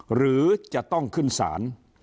หรือจะต้องขึ้นศาล